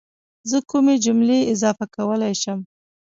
زه کومې جملې اضافه کولی شم